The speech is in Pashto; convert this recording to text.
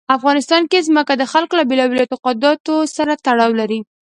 افغانستان کې ځمکه د خلکو له بېلابېلو اعتقاداتو سره تړاو لري.